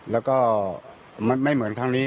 แล้วก็ไม่เหมือนทำนี้